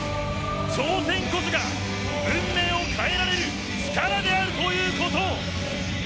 挑戦こそが運命を変えられる力であるということ。